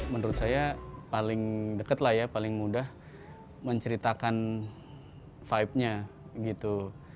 menurut saya paling dekat lah ya paling mudah menceritakan vibe nya gitu